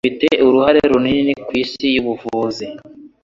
Afite uruhare runini kwisi yubuvuzi.